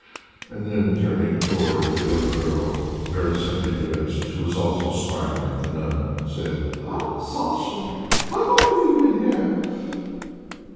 and then turning towards a young girl very simply dressed who was also smiling at the nun, said, "Ah, Sacha, how long have you been here?"